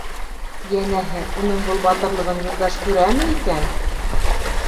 Йәнәһе: «Уның был батырлығын Юлдаш күрәме икән?»